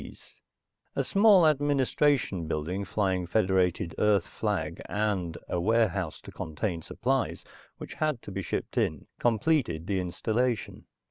P.'s. A small administration building flying Federated Earth flag, and a warehouse to contain supplies, which had to be shipped in, completed the installation.